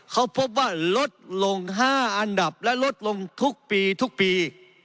เขาพบว่าลดลง๕อันดับและลดลงทุกปีทุกปี